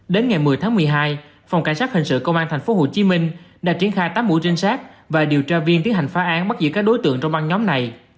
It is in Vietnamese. đến ngày một mươi tháng một mươi hai phòng cảnh sát hình sự công an tp hcm đã triển khai tám mũi trinh sát và điều tra viên tiến hành phá án bắt giữ các đối tượng trong băng nhóm này